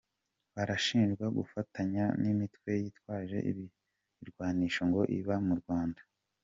Barashinjwa gufatanya n’imitwe yitwaje ibirwanisho ngo iba mu Rwanda.